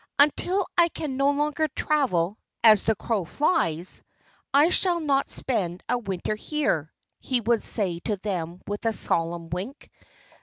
"Until I can no longer travel 'as the crow flies,' I shall not spend a winter here," he would say to them with a solemn wink.